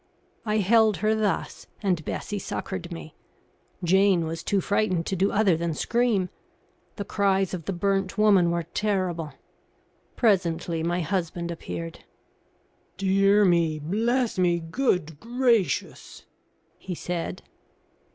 I held her thus, and Bessie succoured me. Jane was too frightened to do other than scream. The cries of the burnt woman were terrible. Presently my husband appeared. "Dear me! Bless me! Good gracious!" he said.